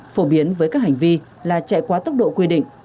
phổ biến với các hành vi là chạy quá tốc độ quy định